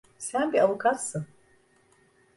Sen bir avukatsın.